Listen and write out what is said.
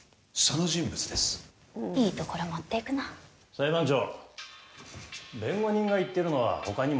裁判長。